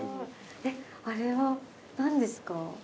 えっあれは何ですか？